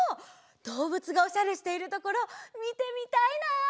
どうぶつがおしゃれしているところみてみたいな！